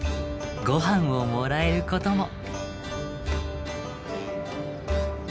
御飯をもらえることも。